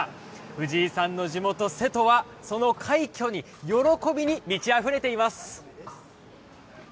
藤井さんの地元・瀬戸はその快挙に、喜びに満ちあふれています。